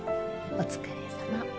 お疲れさま